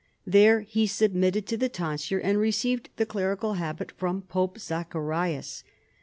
There he submitted to the tonsui'e and received the clerical habit from Po})e Zacharias.